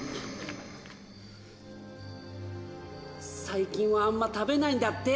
最近はあんま食べないんだって！